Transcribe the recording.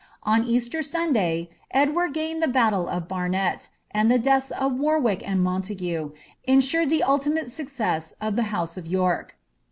On Easter Sunday, Edward gained the battle of Bamet, and the deaths of Warwick and' Montague insured the ultimate success of the house of York.